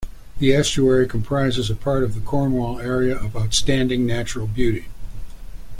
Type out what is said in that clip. The estuary comprises part of the Cornwall Area of Outstanding Natural Beauty.